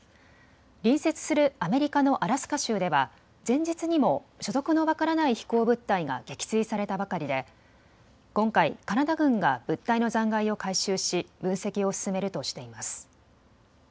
隣接するアメリカのアラスカ州では前日にも所属の分からない飛行物体が撃墜されたばかりで今回、カナダ軍が物体の残骸を回収し分析を進めるとしています。